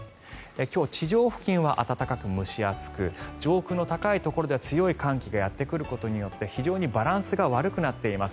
今日、地上付近は暖かくて蒸し暑く上空の高いところでは強い寒気がやってくることによって非常にバランスが悪くなっています。